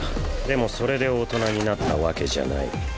でもそれで大人になったわけじゃない。